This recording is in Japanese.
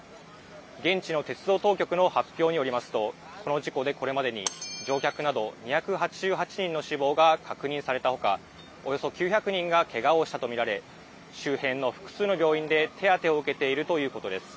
現地の鉄道当局の発表によりますと、この事故でこれまでに乗客など２８８人の死亡が確認されたほか、およそ９００人がけがをしたと見られ、周辺の複数の病院で手当てを受けているということです。